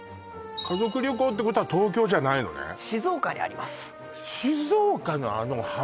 家族旅行ってことは東京じゃないのね静岡にあります